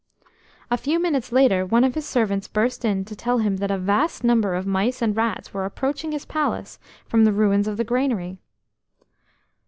A few minutes later one of his servants burst in to tell him that a vast number of mice and rats were approaching his palace from the ruins of the granary.